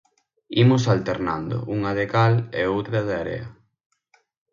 Imos alternando unha de cal e outra de area.